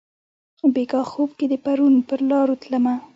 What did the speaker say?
بیګاه خوب کښي د پرون پرلارو تلمه